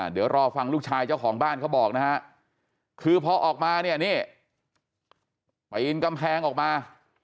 เดี๋ยวรอฟังลูกชายเจ้าของบ้านเขาบอกนะฮะคือพอออกมาเนี่ยนี่ปีนกำแพงออกมา